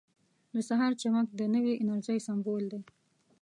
• د سهار چمک د نوې انرژۍ سمبول دی.